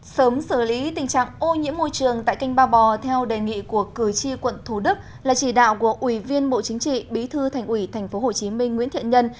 sớm xử lý tình trạng ô nhiễm môi trường tại kênh ba bò theo đề nghị của cử tri quận thủ đức là chỉ đạo của ủy viên bộ chính trị bí thư thành ủy tp hcm nguyễn thiện nhân